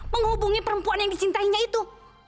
menghubungi perempuan yang dicintainya itu